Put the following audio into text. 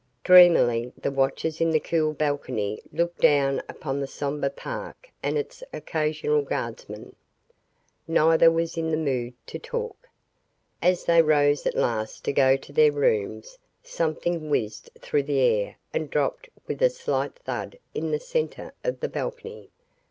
Dreamily the watchers in the cool balcony looked down upon the somber park and its occasional guardsman. Neither was in the mood to talk. As they rose at last to go to their rooms, something whizzed through the air and dropped with a slight thud in the center of the balcony.